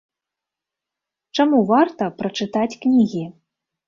Чаму варта прачытаць кнігі?